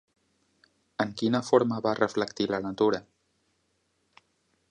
En quina forma va reflectir la natura?